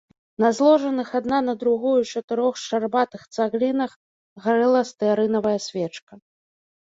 На зложаных адна на другую чатырох шчарбатых цаглінах гарэла стэарынавая свечка.